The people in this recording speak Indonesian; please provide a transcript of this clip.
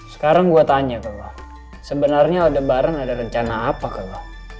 sekarang gue tanya ke lo sebenarnya aldebaran ada rencana apa ke lo